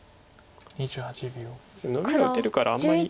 ノビが打てるからあんまり。